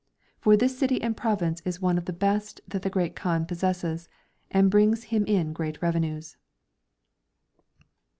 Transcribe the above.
For this city and province is one of the best that the Great Kaan possesses, and brings him in great revenues.'